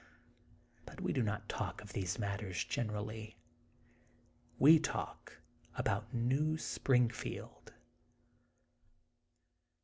But we do not talk about these matters generally. We talk about New Springfield.